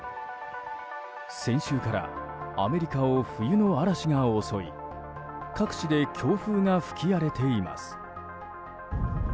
先週からアメリカを冬の嵐が襲い各地で強風が吹き荒れています。